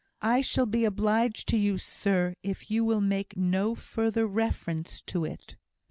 I shall be obliged to you, sir, if you will make no further reference to it."